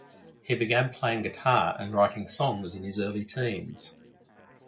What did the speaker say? He began playing guitar and writing songs in his early teens.